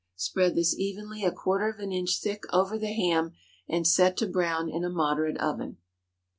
Spread this evenly a quarter of an inch thick over the ham, and set to brown in a moderate oven.